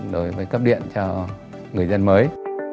đối với cấp điện cho người dân mới